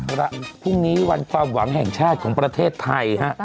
ละพรุ่งนี้วันความหวังแห่งชาติของประเทศไทยฮะ